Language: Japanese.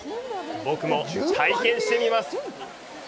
僕も体験してみます！